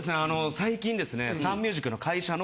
最近ですねサンミュージックの会社の。